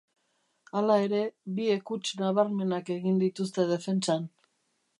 Hala ere, biek huts nabarmenak egin dituzte defentsan.